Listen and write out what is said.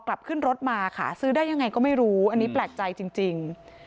กลับขึ้นรถมาค่ะซื้อได้ยังไงก็ไม่รู้อันนี้แปลกใจจริง